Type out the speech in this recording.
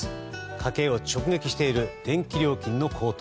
家計を直撃している電気料金の高騰。